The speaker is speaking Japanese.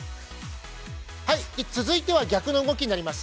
続いては、逆の動きになります。